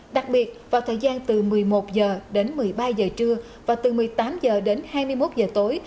đặc biệt vào thời gian từ một mươi một h đến một mươi ba h trưa và từ một mươi tám h đến hai mươi một h tối